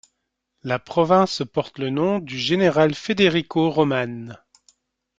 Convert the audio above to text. La province porte le nom du général Federico Román.